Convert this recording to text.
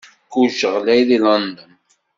Kullec ɣlay deg London.